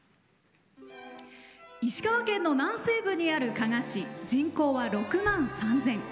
石川県の南西部にある加賀市人口は６万３０００。